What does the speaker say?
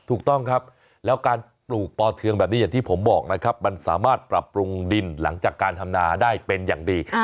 ถูกต้องครับแล้วการปลูกปอเทืองแบบนี้อย่างที่ผมบอกนะครับมันสามารถปรับปรุงดินหลังจากการทำนาได้เป็นอย่างดี